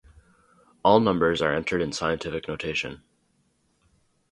All numbers are entered in scientific notation.